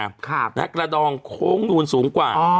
นะครับกระดองโค้งมูลสูงกว่า